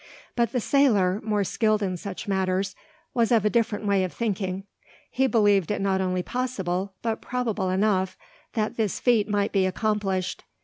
But the sailor, more skilled in such matters, was of a different way of thinking. He believed it not only possible, but probable enough, that this feat might be accomplished.